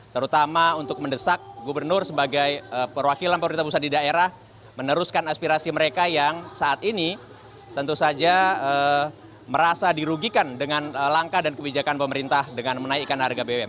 terutama untuk mendesak gubernur sebagai perwakilan pemerintah pusat di daerah meneruskan aspirasi mereka yang saat ini tentu saja merasa dirugikan dengan langkah dan kebijakan pemerintah dengan menaikkan harga bbm